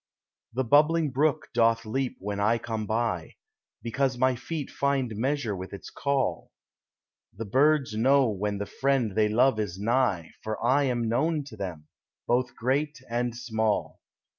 The bubbling brook doth leap when I come by, Because my feet find measure with its call ; The birds know when the friend they love is nigh For I am known to them, both great and small.